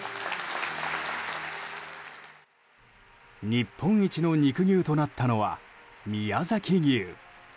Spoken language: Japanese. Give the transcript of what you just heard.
日本一の肉牛となったのは宮崎牛。